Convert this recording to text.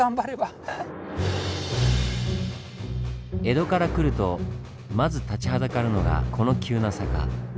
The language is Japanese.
江戸から来るとまず立ちはだかるのがこの急な坂。